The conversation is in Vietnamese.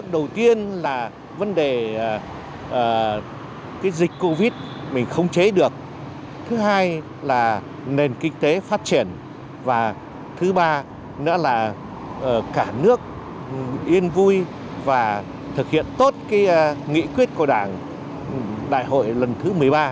đầu tiên là vấn đề dịch covid mình không chế được thứ hai là nền kinh tế phát triển và thứ ba nữa là cả nước yên vui và thực hiện tốt cái nghị quyết của đảng đại hội lần thứ một mươi ba